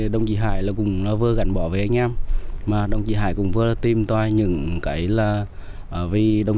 đồng chí hải vừa gắn bỏ với anh em mà đồng chí hải cũng vừa tìm toán những cái là vì đồng